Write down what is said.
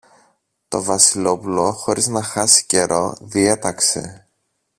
Το Βασιλόπουλο, χωρίς να χάσει καιρό, διέταξε